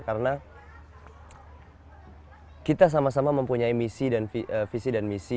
karena kita sama sama mempunyai misi dan visi